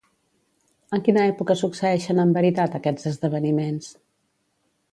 En quina època succeeixen en veritat aquests esdeveniments?